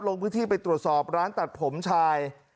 ลงพื้นที่ไปตรวจสอบร้านตัดผมชาย